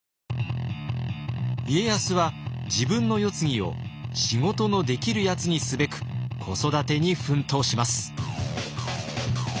家康は自分の世継ぎを仕事のできるやつにすべく子育てに奮闘します。